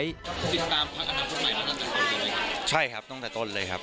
ติดตามข้างอนามคนใหม่ตั้งแต่ต้นเลยใช่ครับต้องแต่ต้นเลยครับ